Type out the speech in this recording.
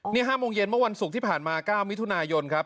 นี่๕โมงเย็นเมื่อวันศุกร์ที่ผ่านมา๙มิถุนายนครับ